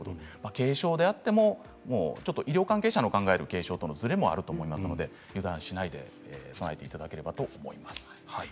軽症であっても医療関係者の考える軽症とのずれもあると思いますので油断しないで備えていただければと思います。